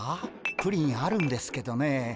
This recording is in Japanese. プリンあるんですけどねえ。